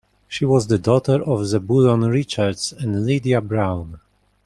She was the daughter of Zebulon Richards and Lydia Brown.